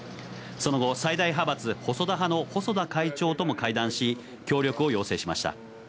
その後、最大派閥・細田派の細田会長とも会談し、協力を要請しました。